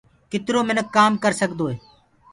ڪِترو مِنک ڪآم ڪرسدوئي